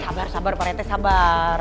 sabar sabar pak rete sabar